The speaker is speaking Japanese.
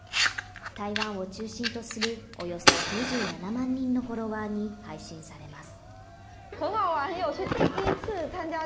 台湾を中心とするおよそ２７万人のフォロワーに配信されます。